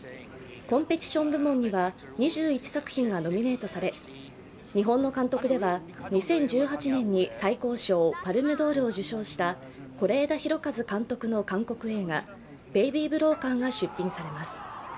コンペティション部門には２１作品がノミネートされ、日本の監督では２０１８年に最高賞パルムドールを受賞した是枝裕和監督の韓国映画「ベイビー・ブローカー」が出品されます。